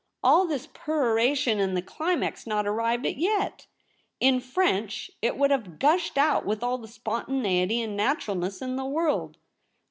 All this peroration, and the climax not arrived at yet! In French, it would have gushed out with all the spontaneity and natural ness in the world.